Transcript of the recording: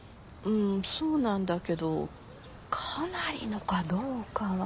んそうなんだけどかなりのかどうかは。